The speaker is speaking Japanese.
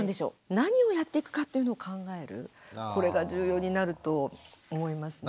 何をやっていくかっていうのを考えるこれが重要になると思いますね。